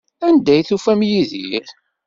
Anda ay d-tufam Yidir?